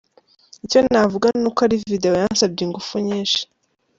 Icyo navuga ni uko ari video yansabye ingufu nyinshi."